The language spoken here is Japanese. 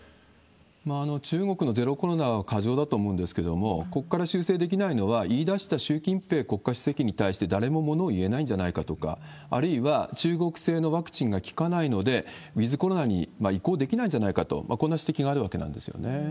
中国のゼロコロナは過剰だと思うんですけれども、ここから修正できないのは、言いだした習近平国家主席に対して誰も物を言えないんじゃないかとか、あるいは、中国製のワクチンが効かないので、ウィズコロナに移行できないんじゃないかと、こんな指摘があるわけなんですよね。